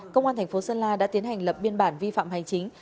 công an tp sơn la đã tiến hành lập biên bản vi phạm hành chính